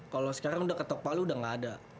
kalo sekarang udah ke tok palu udah enggak ada